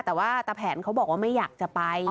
แต่ตาแผนเขาบอกไม่อยากจะไป